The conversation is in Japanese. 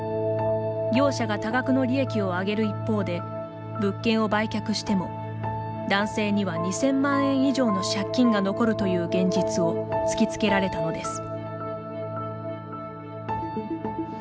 業者が多額の利益を上げる一方で物件を売却しても男性には２０００万円以上の借金が残るという現実を突きつけられたのです。